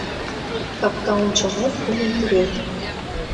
Капка ончылнет кум ӱдырет